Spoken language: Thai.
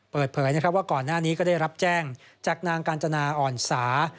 เปิดเผยว่าก่อนหน้านี้ก็ได้รับแจ้งจากนางกาญจนาอ่อนสา